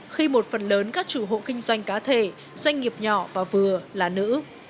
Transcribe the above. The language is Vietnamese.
khi một phần lớn các chủ hộ kinh doanh cá thể doanh nghiệp nhỏ và vừa là nữ